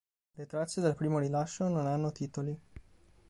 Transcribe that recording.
Le tracce, dal primo rilascio, non hanno titoli.